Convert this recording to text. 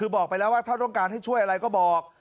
คือบอกไปแล้วว่าถ้าต้องการให้ช่วยอะไรก็บอก